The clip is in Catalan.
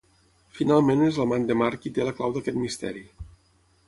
Finalment és l'amant de Marc qui té la clau d'aquest misteri.